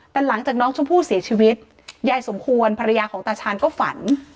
แต่หลังจากน้องชมพู่เสียชีวิตยายสมควรภรรยาของตาชาญก็ฝัน